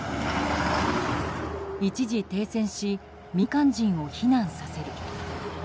一時停戦し民間人を避難させる。